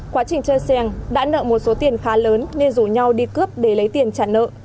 quá trình chơing đã nợ một số tiền khá lớn nên rủ nhau đi cướp để lấy tiền trả nợ